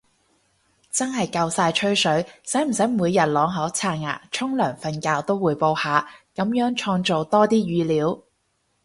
真係夠晒吹水，使唔使每日啷口刷牙沖涼瞓覺都滙報下，噉樣創造多啲語料